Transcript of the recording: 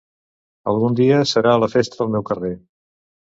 Algun dia serà la festa al meu carrer.